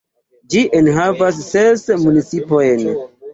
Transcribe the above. Ĝi enhavas ses municipojn.